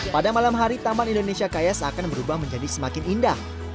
pada malam hari taman indonesia kaya seakan berubah menjadi semakin indah